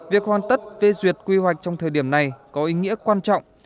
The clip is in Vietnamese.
việc hoàn tất phê duyệt quy hoạch trong thời điểm này có ý nghĩa quan trọng